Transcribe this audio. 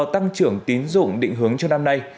tăng trưởng tín dụng định hướng cho năm nay